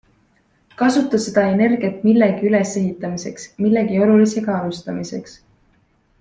Kasuta seda energiat millegi ülesehitamiseks, millegi olulisega alustamiseks.